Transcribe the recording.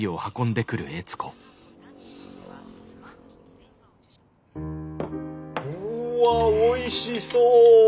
うわおいしそう！